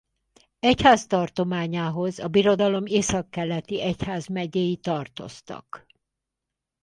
Egyháztartományához a birodalom északkeleti egyházmegyéi tartoztak.